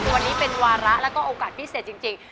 วันนี้เป็นวาระแล้วก็โอกาสพิเศษจริง